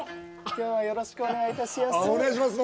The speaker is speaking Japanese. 今日はよろしくお願いいたしやすお願いします